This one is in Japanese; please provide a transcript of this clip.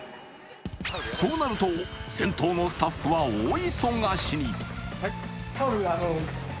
そうなると、銭湯のスタッフは大忙しに。